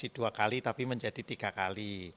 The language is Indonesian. dua kali tapi menjadi tiga kali